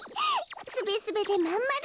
すべすべでまんまる。